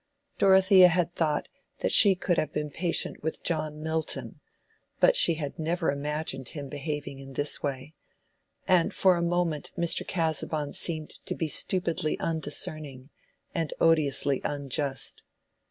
Dorothea had thought that she could have been patient with John Milton, but she had never imagined him behaving in this way; and for a moment Mr. Casaubon seemed to be stupidly undiscerning and odiously unjust.